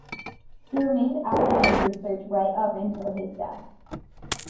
He remained active in research right up until his death.